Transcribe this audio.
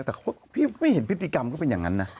แต่พี่ไม่เห็นภิติกรรมนะ